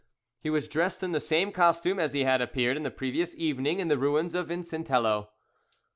He was dressed in the same costume as he had appeared in the previous evening in the ruins of Vicentello.